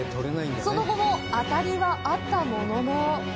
その後も、当たりはあったものの。